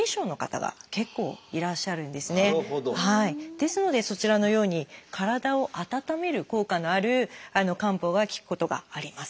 ですのでそちらのように体を温める効果のある漢方が効くことがあります。